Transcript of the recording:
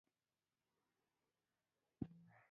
لمسی له سبق وروسته دعا کوي.